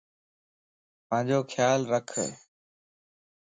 پانجو خيال رکَ